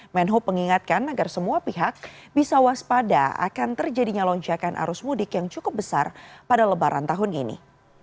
menhub mengingatkan agar semua pihak bisa waspada akan terjadinya lonjakan arus mudik yang cukup besar pada lebaran tahun ini